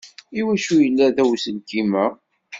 Iwacu yella da uselkim-a?